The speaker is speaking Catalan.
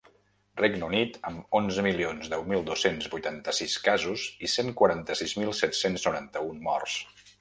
Regne Unit, amb onze milions deu mil dos-cents vuitanta-sis casos i cent quaranta-sis mil set-cents noranta-un morts.